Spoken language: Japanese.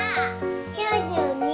９２。